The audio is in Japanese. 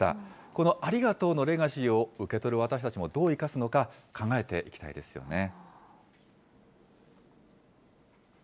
このありがとうのレガシーを受け取る私たちもどう生かすのか、考えていきたいですよね。